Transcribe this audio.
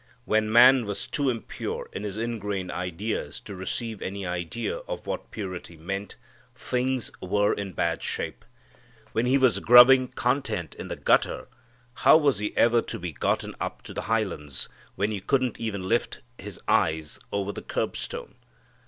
When man was too impure in his ingrained ideas to receive any idea of what purity meant, things were in bad shape. When he was grubbing content in the gutter, how was he ever to be gotten up to the highlands, when you couldn't even lift his eyes over the curbstone?